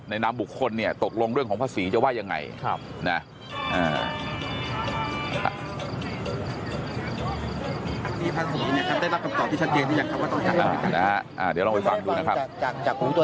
นามบุคคลเนี่ยตกลงเรื่องของภาษีจะว่ายังไงนะ